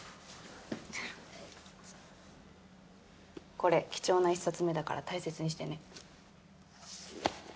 これ貴重な一冊目だから大切にしてね。